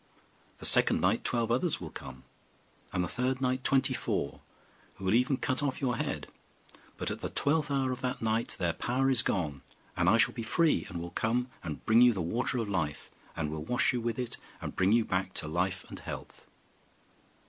The second night twelve others will come: and the third night twenty four, who will even cut off your head; but at the twelfth hour of that night their power is gone, and I shall be free, and will come and bring you the Water of Life, and will wash you with it, and bring you back to life and health.